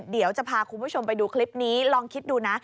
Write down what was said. เดี๋ยวจะพาคุณผู้ชมไปดูคลิปนี้ลองคิดดูนะ